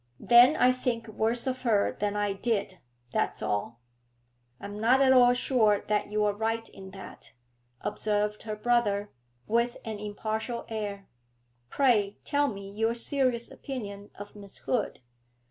'Then I think worse of her than I did, that's all.' 'I'm not at all sure that you are right in that,' observed her brother, with an impartial air. 'Pray tell me your serious opinion of Miss Hood.